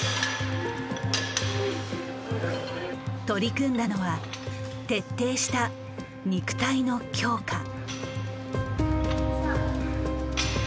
取り組んだのは徹底した肉体の強化。